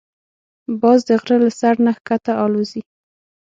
باز د غره له سر نه ښکته الوزي